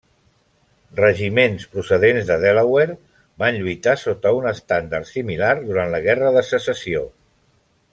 Regiments procedents de Delaware van lluitar sota un estendard similar durant la Guerra de Secessió.